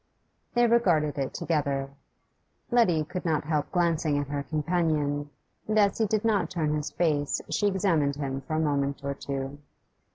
They regarded it together. Letty could not help glancing at her companion, and as he did not turn his face she examined him for a moment or two.